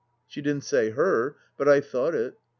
" She didn't say Her, but I thought it.